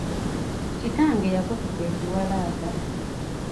Kitange yakutuka ekiwalaata.